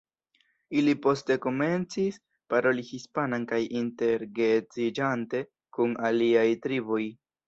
Ili poste komencis paroli hispanan kaj inter-geedziĝante kun aliaj triboj.